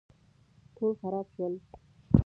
ټول خراب شول